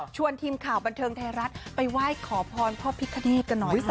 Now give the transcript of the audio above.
ชวนทีมข่าวบันเทิงไทยรัฐไปไหว้ขอพรผ้าพิฆเดชก็หน่อยค่ะ